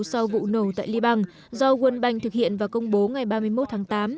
thiệt hại và nhu cầu sau vụ nổ tại liban do world bank thực hiện và công bố ngày ba mươi một tháng tám